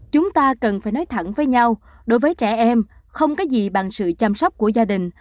chúng ta cần phải nói thẳng với nhau đối với trẻ em không có gì bằng sự chăm sóc của gia đình